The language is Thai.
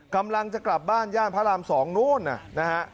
กำลังจะกลับบ้านย่านพระราม๒นู้นนะฮะ